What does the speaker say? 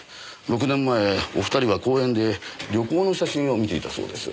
６年前お二人は公園で旅行の写真を見ていたそうです。